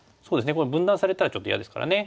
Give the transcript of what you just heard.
これ分断されたらちょっと嫌ですからね。